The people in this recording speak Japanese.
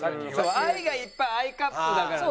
「愛がいっぱいＩカップ」だからね。